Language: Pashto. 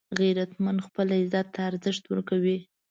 غیرتمند خپل عزت ته ارزښت ورکوي